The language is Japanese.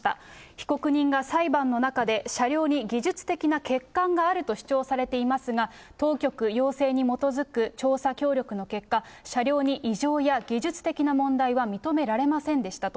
被告人が裁判の中で、車両に技術的な欠陥があると主張されていますが、当局要請に基づく調査協力の結果、車両に異常や技術的な問題は認められませんでしたと。